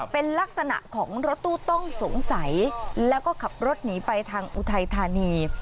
เป็นลักษณะของรถตู้ต้องสงสัยแล้วก็ขับรถหนีไปทางอุทัยธานี